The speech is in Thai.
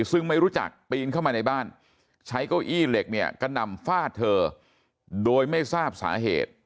ซึ่งไม่รู้จักปีนเข้ามาในบ้านใช้เก้าอี้เหล็กเนี่ยกระหน่ำฟาดเธอโดยไม่ทราบสาเหตุ